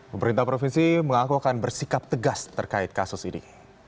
pemerintah provinsi mengaku akan bersikap tegas terkait kasus ini